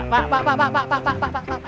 pak pak pak pak pak pak pak pak pak pak pak